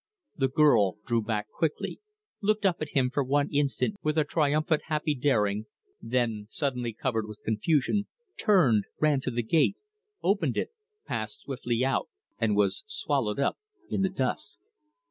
The girl drew back quickly, looked up at him for one instant with a triumphant happy daring, then, suddenly covered with confusion, turned, ran to the gate, opened it, passed swiftly out, and was swallowed up in the dusk.